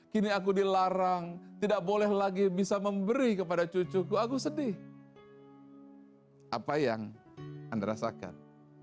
kini aku dilarang tidak boleh lagi bisa memberi kepada cucuku aku sedih apa yang anda rasakan